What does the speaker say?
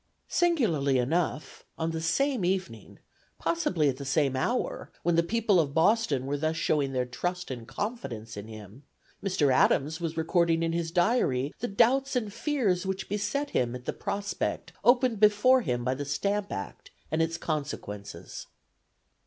Singularly enough, on the same evening, possibly at the same hour, when the people of Boston were thus showing their trust and confidence in him, Mr. Adams was recording in his diary the doubts and fears which beset him at the prospect opened before him by the Stamp Act and its consequences.